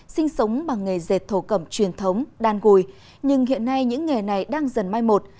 sinh sống bằng nghề dệt thổ cẩm truyền thống đan gùi nhưng hiện nay những nghề này đang dần mai một